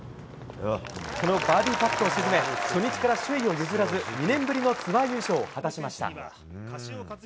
このバーディーパットを沈め初日から首位を譲らず２年ぶりのツアー優勝を果たしました。